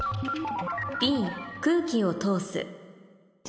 「Ｂ空気を通す」